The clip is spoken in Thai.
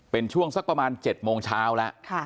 เป็นช่วงสักประมาณ๗โมงเช้าแล้ว